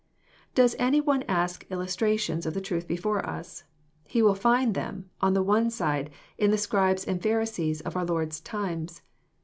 Does any one ask illustrations of the truth before us? He will find them, on the one side^Jn^the >Scribes and Pharisees of our Lord's times.